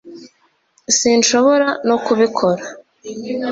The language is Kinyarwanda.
sinshobora no kubikora